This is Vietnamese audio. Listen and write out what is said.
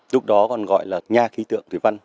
lúc đó còn gọi là nhà khí tượng thủy văn